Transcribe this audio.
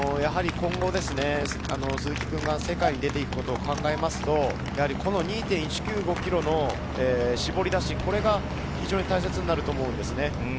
今後、鈴木君が世界に出ていくことを考えると、この２．１９５ｋｍの絞り出し、これが非常に大切になると思うんですね。